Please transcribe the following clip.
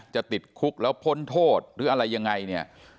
จะติดคุกแล้วพ้นโทษหรืออะไรยังไงเนี่ย